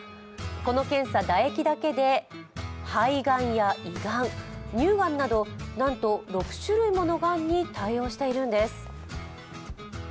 この検査、唾液だけで肺がんや胃がん、乳がんなど、なんと６種類ものがんに対応しているんです。